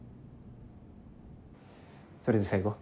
それで最後？